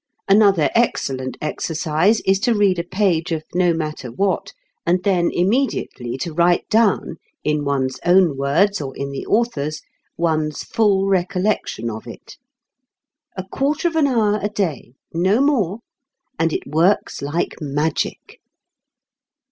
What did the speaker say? Another excellent exercise is to read a page of no matter what, and then immediately to write down in one's own words or in the author's one's full recollection of it. A quarter of an hour a day! No more! And it works like magic.